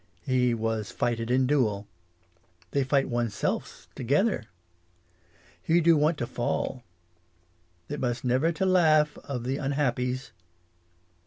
He was fighted in duel. They fight one's selfs together. He do want to fall. It must never to laugh of the unhappies.